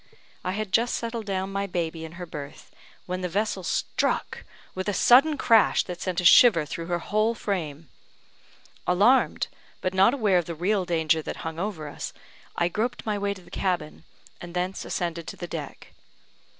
I had just settled down my baby in her berth, when the vessel struck, with a sudden crash that sent a shiver through her whole frame. Alarmed, but not aware of the real danger that hung over us, I groped my way to the cabin, and thence ascended to the deck.